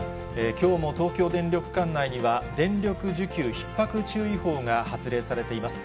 きょうも東京電力管内には、電力需給ひっ迫注意報が発令されています。